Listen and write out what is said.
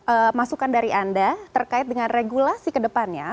eee masukan dari anda terkait dengan regulasi ke depannya